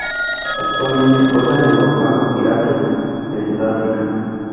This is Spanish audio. Actualmente juega en el Orlando Pirates de Sudáfrica.